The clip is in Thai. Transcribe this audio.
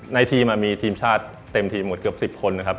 ในทีมมีทีมชาติเต็มทีมหมดเกือบ๑๐คนนะครับ